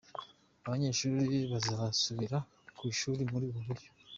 Abanyeshuri basazubira ku ishuri muri ubu buryo.